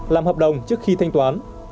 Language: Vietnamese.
làm hợp đồng trước khi thanh toán